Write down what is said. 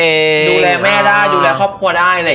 ดูแลแม่ได้ดูแลครอบครัวได้